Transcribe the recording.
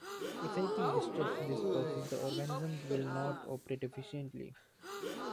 If anything disrupts this process, the organism will not operate efficiently.